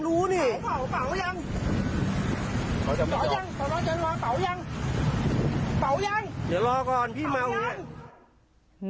สามารถทำรู้นี่ปล่าวยัง